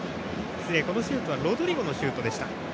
失礼、このシュートはロドリゴのシュートでした。